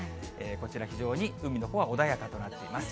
こちら、非常に海のほうは穏やかとなっています。